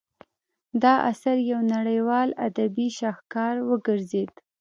دا اثر یو نړیوال ادبي شاهکار وګرځید.